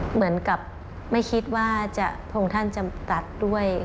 เหมือนกับไม่คิดว่าพระองค์ท่านจะตัดด้วย